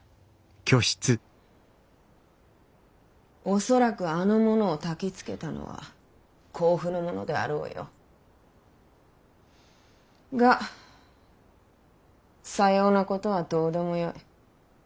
恐らくあの者をたきつけたのは甲府の者であろうよ。がさようなことはどうでもよい。